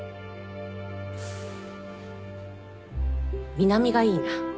南がいいな。